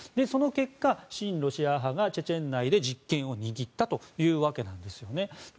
その結果親ロシア派がチェチェン内で実権を握ったというわけなんですよね。